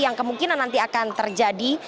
yang kemungkinan nanti akan terjadi